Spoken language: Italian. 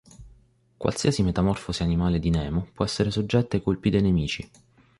Qualsiasi metamorfosi animale di Nemo può essere soggetta ai colpi dei nemici.